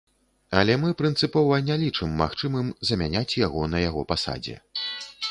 Але мы прынцыпова не лічым магчымым замяняць яго на яго пасадзе.